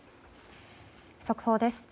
速報です。